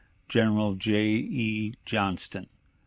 "General J. E. Johnston.